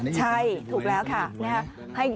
ใช่ถูกแล้วค่ะนะฮะ